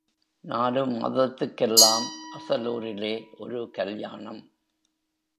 நாலு மாதத்துக்கெல்லாம் அசலூரிலே ஒரு கல்யாணம்.